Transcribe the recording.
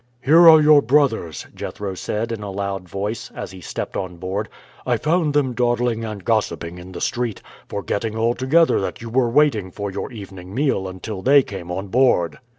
"Here are your brothers," Jethro said in a loud voice as he stepped on board. "I found them dawdling and gossiping in the street, forgetting altogether that you were waiting for your evening meal until they came on board."